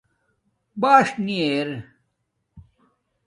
باݽ نی اِرے